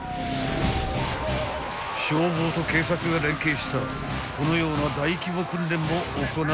［消防と警察が連携したこのような大規模訓練も行われているわけよ］